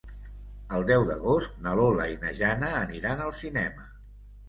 El deu d'agost na Lola i na Jana aniran al cinema.